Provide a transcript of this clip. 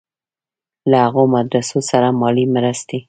له هغو مدرسو سره مالي مرستې.